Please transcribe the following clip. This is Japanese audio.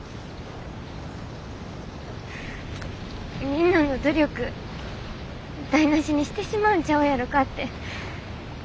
みんなの努力台なしにしてしまうんちゃうやろかって。